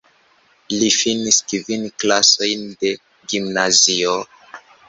Li finis kvin klasojn de gimnazio.